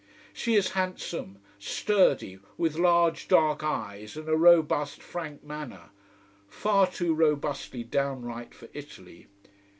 She is handsome, sturdy, with large dark eyes and a robust, frank manner: far too robustly downright for Italy.